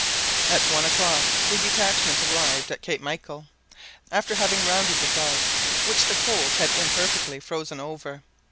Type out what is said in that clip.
At one o'clock the detachment arrived at Cape Michael, after having rounded the gulf which the cold had imperfectly frozen over.